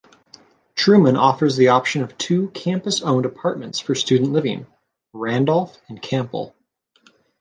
Truman offers the option of two campus-owned apartments for student living: Randolph and Campbell.